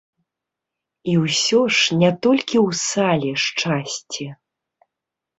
І ўсё ж не толькі ў сале шчасце.